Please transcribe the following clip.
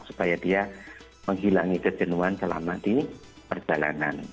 supaya dia menghilangi kejenuhan selama di perjalanan